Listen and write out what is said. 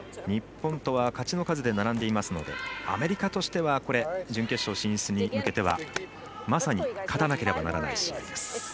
日本とは勝ちの数で並んでいますのでアメリカとしては準決勝進出に向けてはまさに勝たなければならない試合。